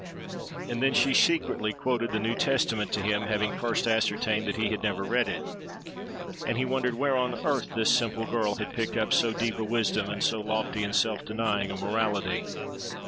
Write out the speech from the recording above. And then she secretly quoted the New Testament to him, having first ascertained that he had never read it; and he wondered where on earth this simple girl had picked up so deep a wisdom and so lofty and self denying a morality.